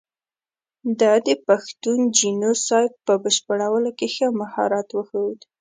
ده د پښتون جینو سایډ په بشپړولو کې ښه مهارت وښود.